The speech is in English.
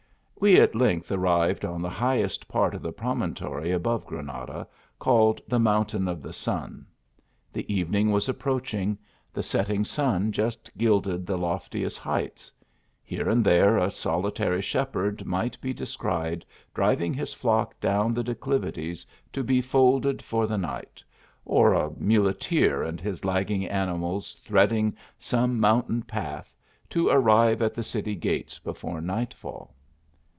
We at length arrived on the highest part of the promontory above Granada, called the Mountain of the Sun. The evening was approaching; the set ting sun just gilded the loftiest heights. Here and there a solitary sh ^herd irr ght be descried driving 86 THE ALHAHBRA. his flock down the declivities to be folded for the night, or a muleteer and his lagging animals thread ing some mountain path, to arrive at the city gates before nightfall.